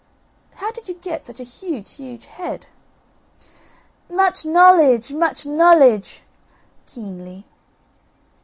"How did you get such a huge huge head?" "Much knowledge, much knowledge" (keenly).